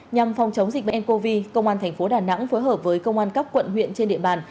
nhằm phòng chống dịch bệnh ncov công an thành phố đà nẵng phối hợp với công an các quận huyện trên địa bàn